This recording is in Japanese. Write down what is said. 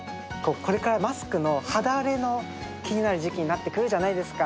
これからマスクの肌荒れが気になる季節になってくるじゃないですか。